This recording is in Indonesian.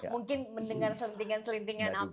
mungkin mendengar sentingan selintingan apa